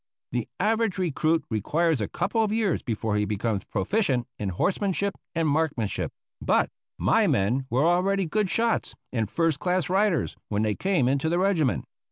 The average recruit requires a couple of years before he becomes proficient in horsemanship and marksmanship; but my men were already good shots and first class riders when they came into the regiment.